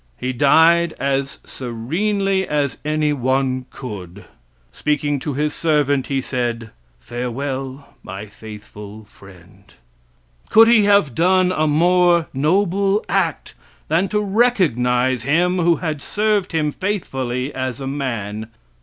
He died as serenely as anyone could. Speaking to his servant, he said, "Farewell my faithful friend." Could he have done a more noble act than to recognize him who had served him faithfully as a man?